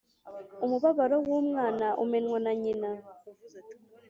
Umubabaro w’umwana umenywa na nyina.